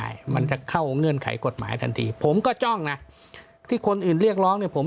ใช่มันจะเข้าเงื่อนไขกฎหมายทันทีผมก็จ้องนะที่คนอื่นเรียกร้องเนี่ยผม